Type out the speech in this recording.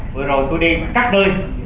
vừa rồi tôi đi các nơi